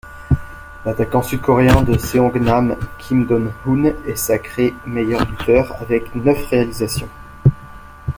L'attaquant sud-coréen de Seongnam Kim Do-hoon est sacré meilleur buteur avec neuf réalisations.